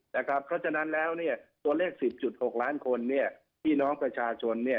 เพราะฉะนั้นแล้วเนี่ยตัวเลข๑๐๖ล้านคนพี่น้องประชาชน